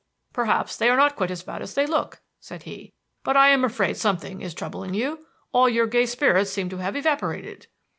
"Perhaps they are not quite so bad as they look," said he. "But I am afraid something is troubling you. All your gay spirits seem to have evaporated."